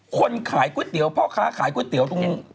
คนขายก๋วยเตี๋ยวพ่อค้าขายก๋วยเตี๋ยวตรงนี้